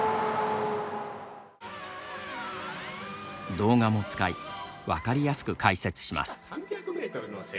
動画も使い分かりやすく解説します。